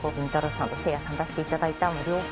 さんとせいやさん出して頂いた案の両方。